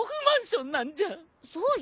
そうよ。